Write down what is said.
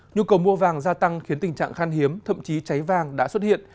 nhu cầu mua vàng gia tăng khiến tình trạng khan hiếm thậm chí cháy vàng đã xuất hiện